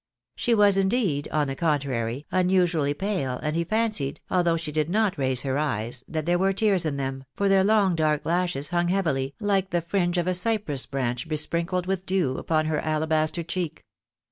She was, indeed, on the contrary, unusually pale, and he fancied, although she did not raise her eye?, that there were tears in them, for their long dark lashes hung heavily, like the fringe of a cypress branch besprinkled with dew, upon her alabaster cheek.